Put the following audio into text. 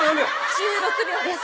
１６秒です。